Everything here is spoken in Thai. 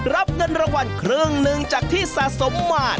รับเงินรางวัลครึ่งหนึ่งจากที่สะสมมา